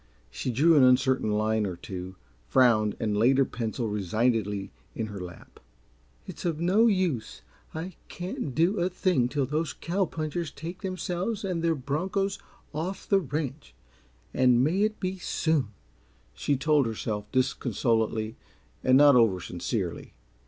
She drew an uncertain line or two, frowned and laid her pencil resignedly in her lap. "It's of no use. I can't do a thing till those cow punchers take themselves and their bronchos off the ranch and may it be soon!" she told herself, disconsolately and not oversincerely.